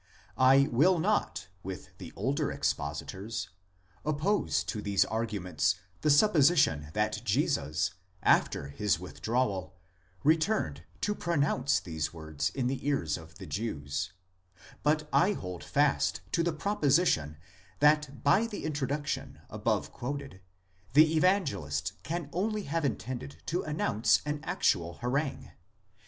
I will not, with the older expositors, oppose to these arguments the supposition that Jesus, after his with drawal, returned to pronounce these words in the ears of the Jews; but I hold fast to the proposition that by the introduction above quoted, the Evangelist can only have intended to announce an actual harangue.